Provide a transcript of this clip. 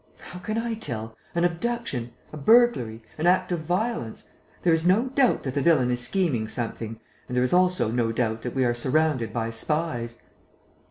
"How can I tell? An abduction! A burglary! An act of violence! There is no doubt that the villain is scheming something; and there is also no doubt that we are surrounded by spies."